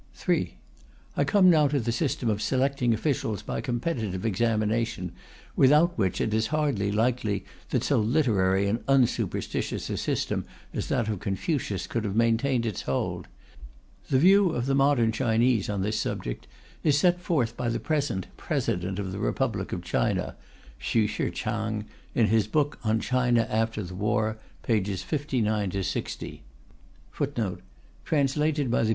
3. I come now to the system of selecting officials by competitive examination, without which it is hardly likely that so literary and unsuperstitious a system as that of Confucius could have maintained its hold. The view of the modern Chinese on this subject is set forth by the present President of the Republic of China, Hsu Shi chang, in his book on China after the War, pp.